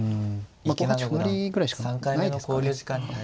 まあ５八歩成ぐらいしかないですかね